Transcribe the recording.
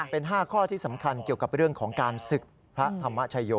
เป็น๕ข้อที่สำคัญเกี่ยวกับเรื่องของการศึกพระธรรมชโย